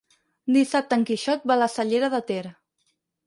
Dissabte en Quixot va a la Cellera de Ter.